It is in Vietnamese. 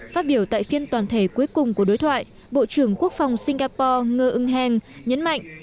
phát biểu tại phiên toàn thể cuối cùng của đối thoại bộ trưởng quốc phòng singapore ngơ ưng heng nhấn mạnh